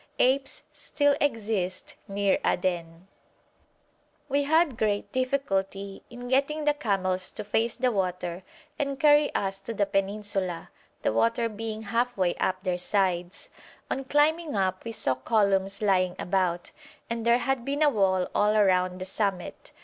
Apes still exist near Aden. [Illustration: THE ABYSS OF ABYSSAPOLIS, DHOFAR] We had great difficulty in getting the camels to face the water and carry us to the peninsula, the water being half way up their sides. On climbing up we saw columns lying about, and there had been a wall all round the summit.